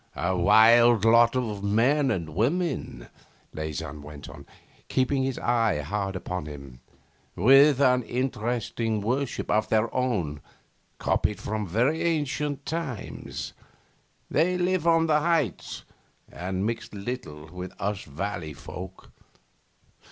'A wild lot of men and women,' Leysin went on, keeping his eye hard upon him, 'with an interesting worship of their own copied from very ancient times. They live on the heights, and mix little with us valley folk.